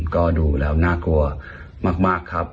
ก็ดูแล้วน่ากลัวมากครับ